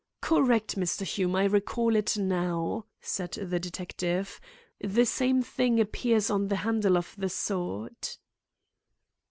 "Correct, Mr. Hume, I recall it now," said the detective. "The same thing appears on the handle of the sword."